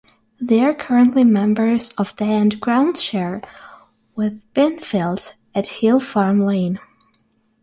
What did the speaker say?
They are currently members of the and groundshare with Binfield at Hill Farm Lane.